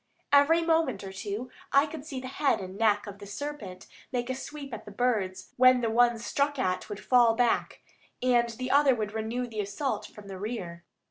Every moment or two I could see the head and neck of the serpent make a sweep at the birds, when the one struck at would fall back, and the other would renew the assault from the rear.